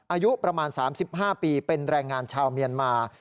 อายุประมาณ๓๕ปีเป็นแรงงานชาวเมียนมา